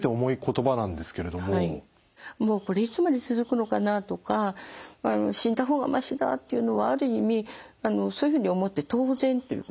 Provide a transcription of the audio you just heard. もう「これいつまで続くのかな？」とか「死んだ方がましだ」っていうのはある意味そういうふうに思って当然ということがあります。